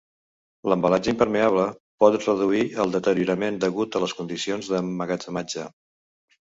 L'embalatge impermeable pot reduir el deteriorament degut a les condicions d'emmagatzematge.